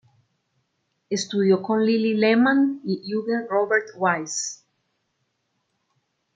Estudió con Lilli Lehmann y Eugen Robert Weiss.